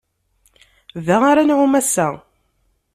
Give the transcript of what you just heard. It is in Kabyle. Da ara nɛum ass-a.